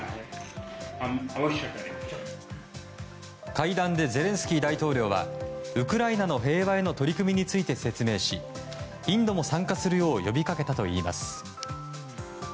会談でゼレンスキー大統領はウクライナの平和への取り組みについて説明しインドも参加するよう呼びかけたといいます。